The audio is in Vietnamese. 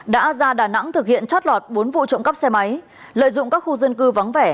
đã ra đà nẵng thực hiện chót lọt bốn vụ trộm cắp xe máy lợi dụng các khu dân cư vắng vẻ